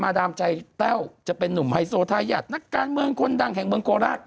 ดามใจแต้วจะเป็นนุ่มไฮโซทายาทนักการเมืองคนดังแห่งเมืองโคราช